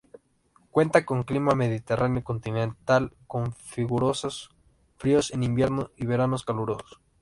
Cuenta con un clima mediterráneo continental, con rigurosos fríos en invierno y veranos calurosos.